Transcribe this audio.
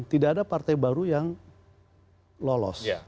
tidak ada partai baru yang lolos